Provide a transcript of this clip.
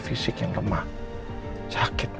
fisik yang lemah sakit